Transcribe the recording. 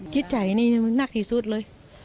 คิดใจนี่นักที่สุดเลย